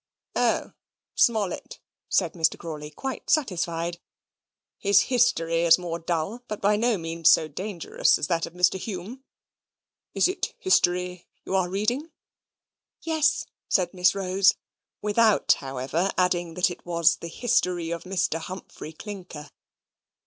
"Oh, Smollett," said Mr. Crawley, quite satisfied. "His history is more dull, but by no means so dangerous as that of Mr. Hume. It is history you are reading?" "Yes," said Miss Rose; without, however, adding that it was the history of Mr. Humphrey Clinker.